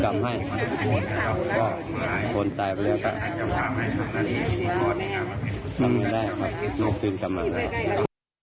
มันหวนตายไปเร็วมันไม่ได้นกจึงกรรมมาเลย